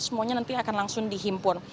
semuanya nanti akan langsung dihimpun